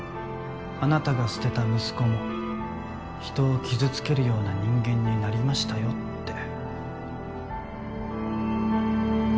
あなたが捨てた息子も人を傷つけるような人間になりましたよって。